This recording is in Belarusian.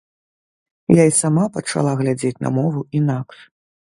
Я і сама пачала глядзець на мову інакш.